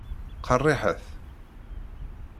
Qeṛṛiḥet.